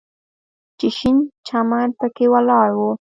چې شين چمن پکښې ولاړ و.